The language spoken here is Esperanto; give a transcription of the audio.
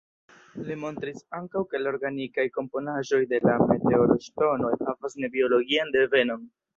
Li montris ankaŭ, ke la organikaj komponaĵoj de la meteorŝtonoj havas ne-biologian devenon.